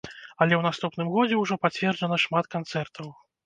Але ў наступным годзе ўжо пацверджана шмат канцэртаў.